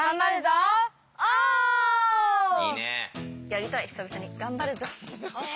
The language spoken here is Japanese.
やりたい久々に「頑張るぞおー！」。